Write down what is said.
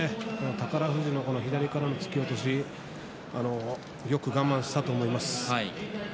宝富士の左からの突き落としよく我慢したと思います。